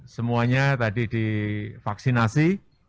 semuanya tadi divaksinasi